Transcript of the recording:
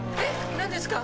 何ですか？